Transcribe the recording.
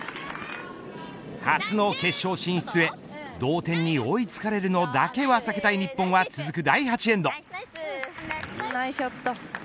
初の決勝進出へ同点に追い付かれるのだけは避けたい日本はナイスショット。